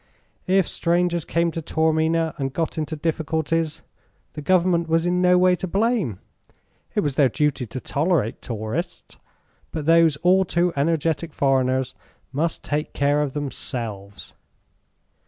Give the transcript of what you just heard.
If strangers came to Taormina and got into difficulties, the government was in no way to blame. It was their duty to tolerate tourists, but those all too energetic foreigners must take care of themselves.